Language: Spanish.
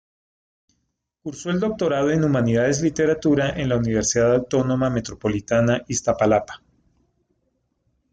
Cursó el doctorado en Humanidades-Literatura en la Universidad Autónoma Metropolitana-Iztapalapa.